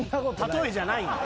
例えじゃないんや。